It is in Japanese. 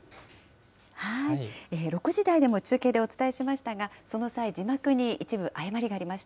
６時台でも中継でお伝えしましたが、その際、字幕に一部誤りがありました。